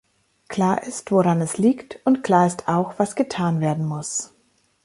Klar ist, woran es liegt, und klar ist auch, was getan werden muss.